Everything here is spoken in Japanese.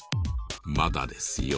まだですよ。